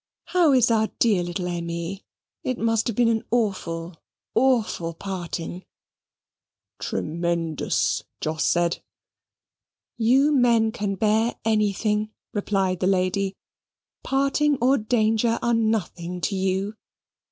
How is our dear little Emmy? It must have been an awful, awful parting." "Tremendous," Jos said. "You men can bear anything," replied the lady. "Parting or danger are nothing to you.